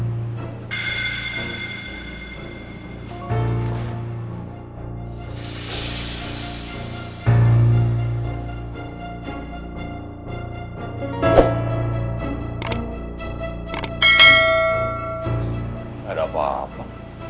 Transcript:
tidak ada apa apa